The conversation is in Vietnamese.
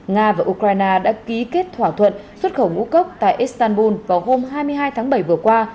nga và ukraine đã ký kết thỏa thuận xuất khẩu ngũ cốc tại istanbul vào hôm hai mươi hai tháng bảy vừa qua